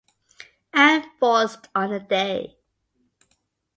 Enforced on the day.